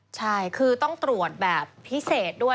ใช่คือต้องตรวจแบบพิเศษด้วย